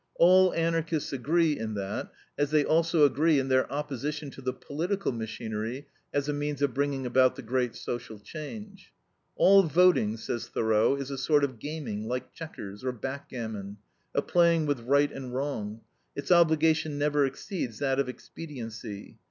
All Anarchists agree in that, as they also agree in their opposition to the political machinery as a means of bringing about the great social change. "All voting," says Thoreau, "is a sort of gaming, like checkers, or backgammon, a playing with right and wrong; its obligation never exceeds that of expediency.